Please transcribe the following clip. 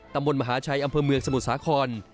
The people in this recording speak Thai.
มหาชัยอำเภอเมืองสมุทรสาคร